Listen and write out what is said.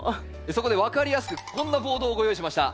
そこで分かりやすくこんなボードをご用意しました。